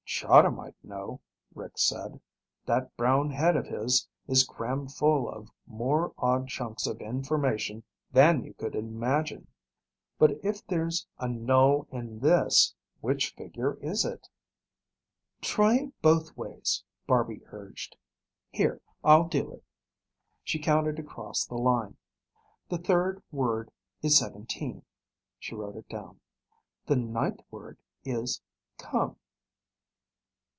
"Chahda might know," Rick said. "That brown head of his is crammed full of more odd chunks of information than you could imagine. But if there's a null in this, which figure is it?" "Try it both ways," Barby urged. "Here, I'll do it." She counted across the line. "The third word is 'seventeen.'" She wrote it down. "The ninth word is 'come.'"